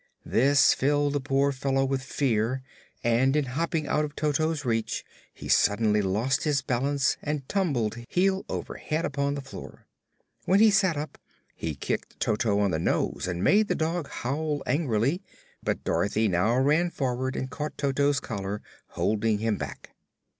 This filled the poor fellow with fear, and in hopping out of Toto's reach he suddenly lost his balance and tumbled heel over head upon the floor. When he sat up he kicked Toto on the nose and made the dog howl angrily, but Dorothy now ran forward and caught Toto's collar, holding him back.